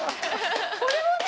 これはね